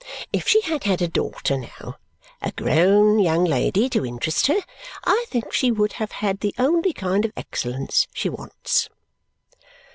If she had had a daughter now, a grown young lady, to interest her, I think she would have had the only kind of excellence she wants."